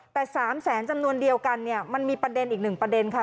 แต่๓แสนจำนวนเดียวกันเนี่ยมันมีประเด็นอีกหนึ่งประเด็นค่ะ